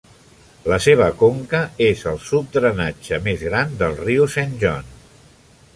La seva conca és el subdrenatge més gran del riu Saint John.